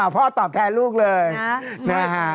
อ๋อพ่อตอบแทนลูกเลยนะฮะ